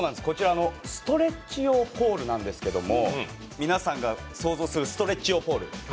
こちらストレッチ用ポールなんですけども皆さんが想像するストレッチ用ポール